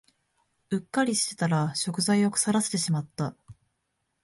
うっかりしてたら食材を腐らせてしまった